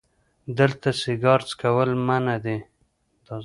دلته سیګار څکول منع دي🚭